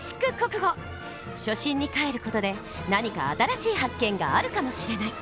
初心にかえる事で何か新しい発見があるかもしれない！